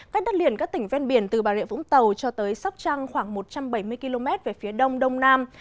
cách đất liền các tỉnh ven biển từ bà rịa vũng tàu cho tới sóc trăng khoảng một trăm bảy mươi km về phía đông đông nam